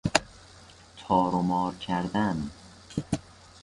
تار و مار کردن